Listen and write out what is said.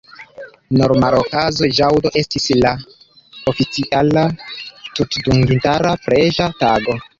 Normalokaze ĵaŭdo estis la oficiala tutdungitara preĝa tago.